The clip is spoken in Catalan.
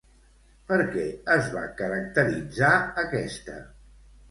Per què es va caracteritzar aquesta?